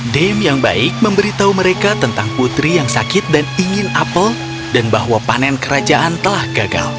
dame yang baik memberitahu mereka tentang putri yang sakit dan ingin apel dan bahwa panen kerajaan telah gagal